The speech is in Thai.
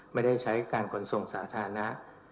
ไม่ได้ใช้การขนส่งสาธารณะ